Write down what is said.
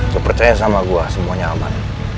saya percaya sama gue semuanya aman